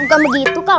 bukan begitu khal